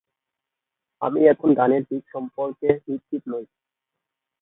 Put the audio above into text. আমি এখনো গানের দিক সম্পর্কে নিশ্চিত নই।